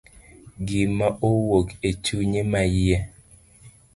Gima owuok e chunye maiye.